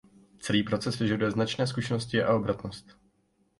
Celý proces vyžaduje značné zkušenosti a obratnost.